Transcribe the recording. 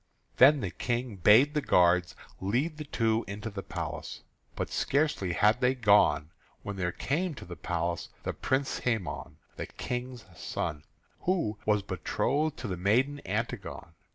Then the King bade the guards lead the two into the palace. But scarcely had they gone when there came to the place the Prince Hæmon, the King's son, who was betrothed to the maiden Antigone.